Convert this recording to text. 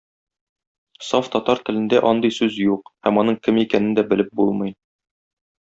Саф татар телендә андый сүз юк һәм аның кем икәнен дә белеп булмый.